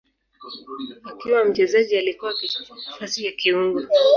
Akiwa mchezaji alikuwa akicheza nafasi ya kiungo.